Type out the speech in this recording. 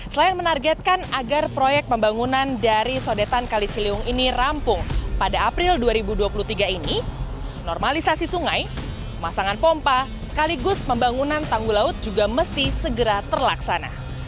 selain menargetkan agar proyek pembangunan dari sodetan kali ciliwung ini rampung pada april dua ribu dua puluh tiga ini normalisasi sungai pemasangan pompa sekaligus pembangunan tanggul laut juga mesti segera terlaksana